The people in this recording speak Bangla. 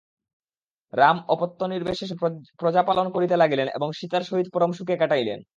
রাম অপত্যনির্বিশেষে প্রজাপালন করিতে লাগিলেন এবং সীতার সহিত পরম সুখে কাটাইলেন।